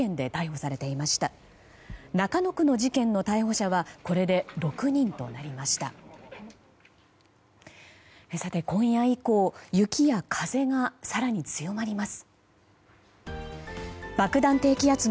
さて、今夜以降雪や風が更に強まります。